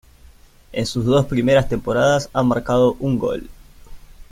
En sus dos primeras temporadas ha marcado un gol.